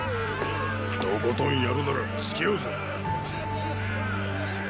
とことん戦るならつきあうぞ。